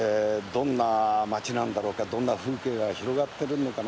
どんな町なんだろうかどんな風景が広がってるのかなあ